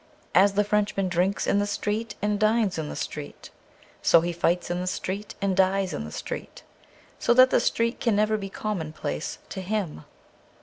As the Frenchman drinks in the street and dines in the street, so he fights in the street and dies in the street ; so that the street can never be commonplace to him.